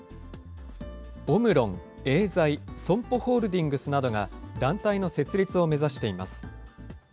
オムロン、エーザイ、ＳＯＭＰＯホールディングスなどが団体の設立を目指しています。